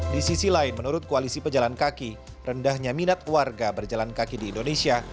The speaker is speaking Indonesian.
di sisi lain menurut koalisi pejalan kaki rendahnya minat warga berjalan kaki di indonesia